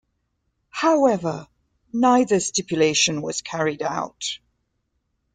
However, neither stipulation was carried out.